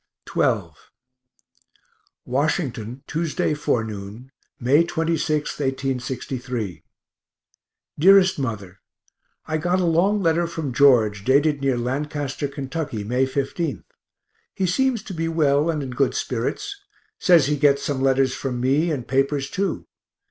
XII Washington, Tuesday forenoon, May 26, 1863. DEAREST MOTHER I got a long letter from George, dated near Lancaster, Kentucky, May 15th; he seems to be well and in good spirits says he gets some letters from me and papers too.